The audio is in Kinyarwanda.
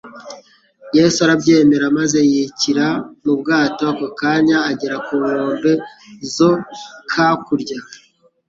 Yesu arabyemera, maze yikira mu bwato, ako kanya agera ku nkombe zo kakurya.